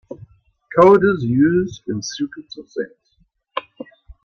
Code is used when secrets are sent.